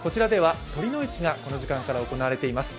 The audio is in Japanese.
酉の市がこの時間から行われています。